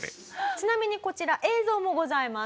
ちなみにこちら映像もございます。